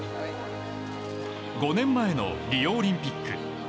５年前のリオオリンピック。